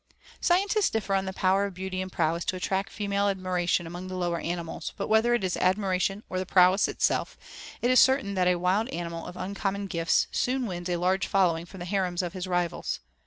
Scientists differ on the power of beauty and prowess to attract female admiration among the lower animals, but whether it is admiration or the prowess itself, it is certain that a wild animal of uncommon gifts soon wins a large following from the harems of his rivals.